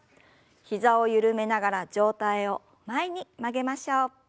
膝を緩めながら上体を前に曲げましょう。